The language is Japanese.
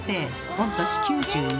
御年９１。